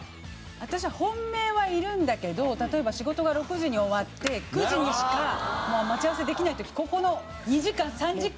私は本命はいるんだけど例えば仕事が６時に終わって９時にしかもう待ち合わせできない時ここの２時間３時間を埋めてくれる人。